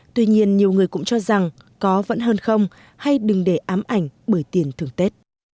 tuy nhiên nhiều người cũng cho rằng có vẫn hơn không hay đừng để ám ảnh bởi tiền thường tết